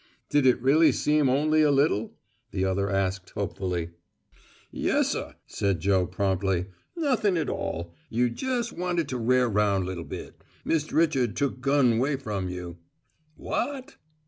"Did it really seem only a little?" the other asked hopefully. "Yessuh," said Joe promptly. "Nothin' at all. You jes' wanted to rare roun' little bit. Mist' Richard took gun away from you " "What?"